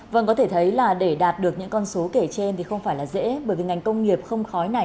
vâng có thể thấy là để đạt được những con số kể trên thì không phải là dễ bởi vì ngành công nghiệp không khói này